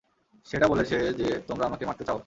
সে এটাও বলেছে যে, তোমরা আমাকে মারতে চাও।